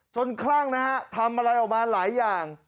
จนคร่างนะครับทำอะไรออกมาหลายอย่าง